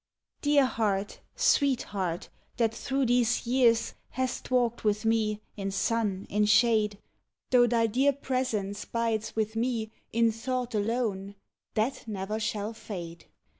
Dear heart, sweet heart that through these years Hast walked with me, in sun, in shade! Though thy dear presence bides with me In thought alone, that ne'er shall fade!